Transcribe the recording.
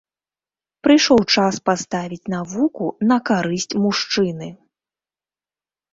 Прыйшоў час паставіць навуку на карысць мужчыны!